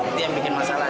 itu yang bikin masalah